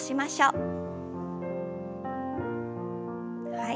はい。